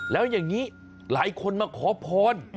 แล้วอย่างนี้หลายคนมาขอพร